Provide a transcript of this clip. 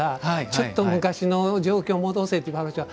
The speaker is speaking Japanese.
ちょっと昔の状況に戻せという話。